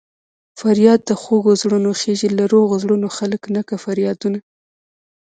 فریاد د خوږو زړونو خېژي له روغو زړونو خلک نه کا فریادونه